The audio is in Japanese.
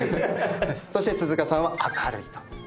そして鈴鹿さんは明るいと。